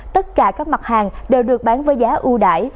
tất cả các mặt hàng đều được bán với giá ưu đải